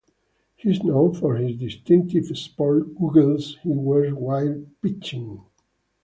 He is known for his distinctive sports goggles he wears while pitching.